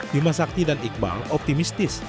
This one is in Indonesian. bima sakti dan iqbal optimistis